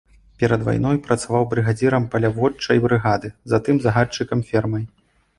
Перад вайной працаваў брыгадзірам паляводчай брыгады, затым загадчыкам фермай.